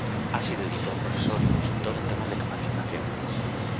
Ha sido editor, profesor y consultor en temas de capacitación.